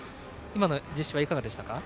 今の実施はいかがでしたか？